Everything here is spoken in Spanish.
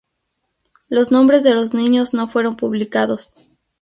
Los nombres de los niños no fueron publicados.